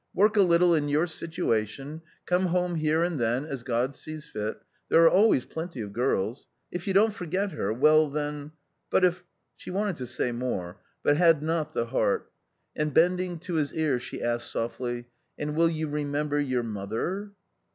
Work a little in your situation, come home here and then, as God sees fit — there are always plenty of girls. If you don't forget her — well, then. But if " She wanted to say more, but had not the heart; and bending to his ear she asked softly, " And will you re member — your mother